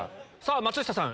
松下さん